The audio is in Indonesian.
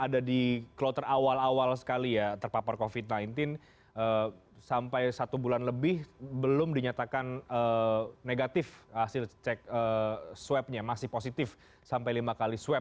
ada di kloter awal awal sekali ya terpapar covid sembilan belas sampai satu bulan lebih belum dinyatakan negatif hasil cek swabnya masih positif sampai lima kali swab